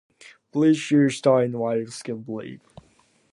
British Rail restored one of the swing bridges.